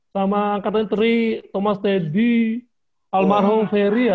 sama angkatan teri thomas teddy almarhum ferry ya